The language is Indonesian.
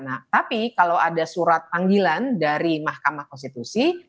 nah tapi kalau ada surat panggilan dari mahkamah konstitusi